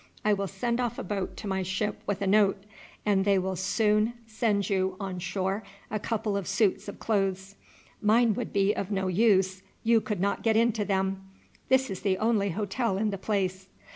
I will send off a boat to my ship with a note, and they will soon send you on shore a couple of suits of clothes. Mine would be of no use; you could not get into them. This is the only hotel in the place."